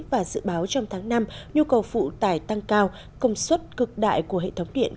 và dự báo trong tháng năm nhu cầu phụ tải tăng cao công suất cực đại của hệ thống điện